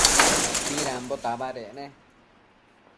Midambo tabadec ne?